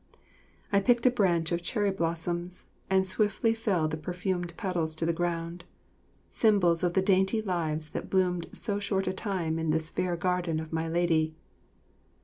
I picked a branch of cherry blossoms, and swiftly fell the perfumed petals to the ground symbols of the dainty lives that bloomed so short a time in this fair garden of my lady.